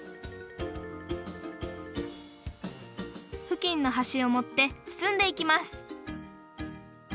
ふきんのはしをもってつつんでいきます